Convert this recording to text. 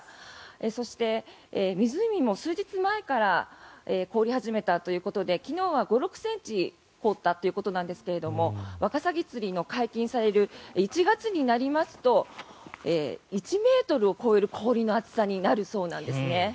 そして、湖も数日前から凍り始めたということで昨日は５６ｃｍ凍ったということなんですがワカサギ釣りが解禁される１月になりますと１ｍを超える氷の厚さになるそうなんですね。